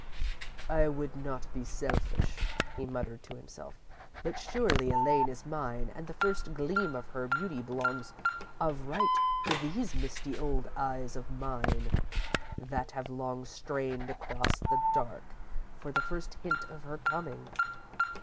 "I would not be selfish," he muttered to himself, "but surely, Elaine is mine, and the first gleam of her beauty belongs of right to these misty old eyes of mine, that have long strained across the dark for the first hint of her coming.